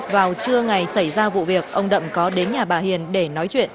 vào trưa ngày xảy ra vụ việc ông đậm có đến nhà bà hiền để nói chuyện